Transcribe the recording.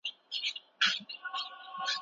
پښتو ژبه د تاریخ په اوږدو کې پاتې شوې ده.